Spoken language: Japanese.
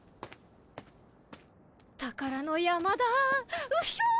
宝の山だうひょ！